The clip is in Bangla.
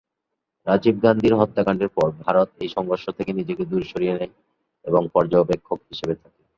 রাজীব গান্ধীর হত্যাকাণ্ডের পর ভারত এই সংঘর্ষ থেকে নিজেকে দূরে সরিয়ে নেয় এবং পর্যবেক্ষক হিসেবে থাকে।